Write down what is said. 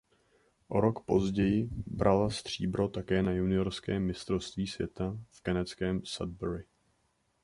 O rok později brala stříbro také na juniorském mistrovství světa v kanadském Sudbury.